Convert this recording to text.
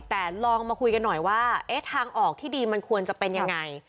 แต่ลองมาคุยกันหน่อยว่าเอ๊ะทางออกที่ดีมันควรจะเป็นยังไง